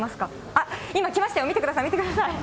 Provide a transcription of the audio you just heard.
あっ、今、来ましたよ、見てください、見てください。